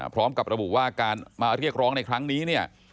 พร้อมกับระบุว่าการมาเรียกร้องในครั้งนี้เนี่ย